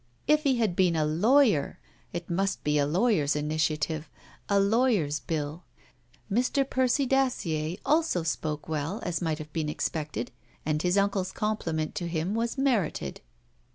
If he had been a lawyer! It must be a lawyer's initiative a lawyer's Bill. Mr. Percy Dacier also spoke well, as might have been expected, and his uncle's compliment to him was merited.